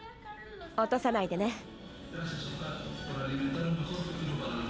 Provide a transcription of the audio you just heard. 落とさないでね。